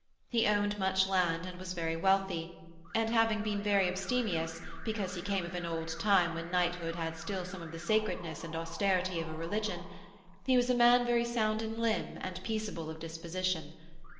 He owned much land and was very wealthy, and, having been very abstemious, because he came of an old time when knighthood had still some of the sacredness and austerity of a religion, he was a man very sound in limb and peaceable of disposition.